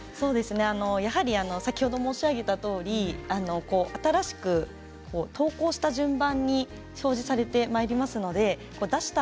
先ほど申し上げたとおり新しく投稿した順番に表示されてまいりますので出した